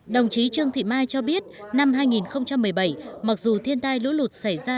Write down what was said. đồng chí trương thị mai cho biết năm hai nghìn một mươi bảy mặc dù thiên tai lũ lụt xảy ra